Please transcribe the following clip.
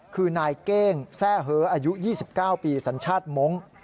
คือนายเก้งแทร่เหออายุ๒๙ปีสัญชาติมงค์